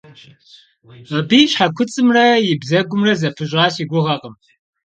Абы и щхьэкуцӏымрэ и бзэгумрэ зэпыщӏа си гугъэкъым.